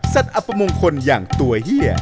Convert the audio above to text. สัตว์อัปมงคลอย่างตัวเหี้ย